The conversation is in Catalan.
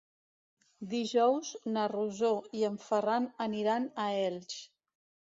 Dijous na Rosó i en Ferran aniran a Elx.